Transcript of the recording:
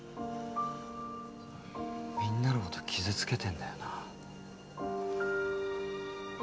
みんなのこと傷つけてんだよな。